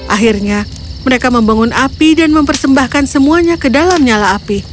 akhirnya mereka membangun api dan mempersembahkan semuanya ke dalam nyala api